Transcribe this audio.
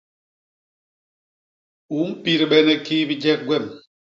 U mpidbene kii bijek gwem?